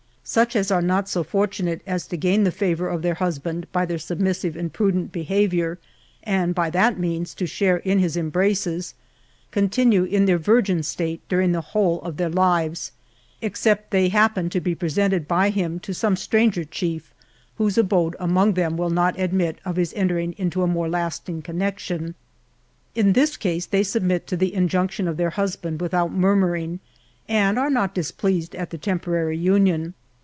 Such as are not so fortu nate as to gain the favor of their husband, by their submis sive and prudent behaviour, and by that means to share in his embraces; continue in their virgin state during the whole of their lives, except they happen to be presented by him to some stranger chief, whose abode among them will not admit of his entering into a more lasting connexion. In this case they submit to the injunction of their husband without mur muring, and are not displeased at the temporary union.